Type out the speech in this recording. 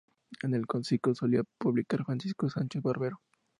En "El Conciso" solía publicar Francisco Sánchez Barbero.